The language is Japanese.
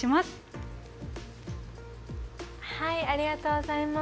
千葉さん、ありがとうございます。